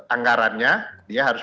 anggarannya dia harus